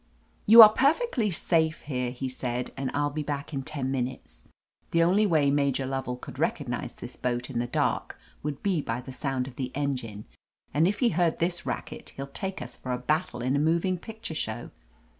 "You are perfectly safe here," he said, "and I'll be back in ten minutes. The only way Major Lovell could recognize this boat in the dark would be by the sound of the engine, and if he heard this racket he'll take us for a battle in a moving picture show.